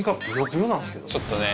ちょっとね